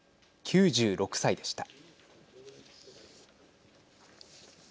９６歳でした。